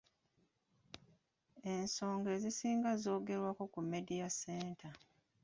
Ensonga ezisinga zoogerwako ku Media Centre.